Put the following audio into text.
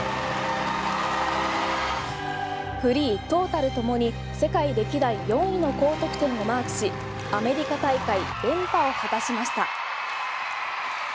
フリー、トータルともに世界歴代４位の高得点をマークしアメリカ大会連覇を果たしました。